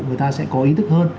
người ta sẽ có ý thức hơn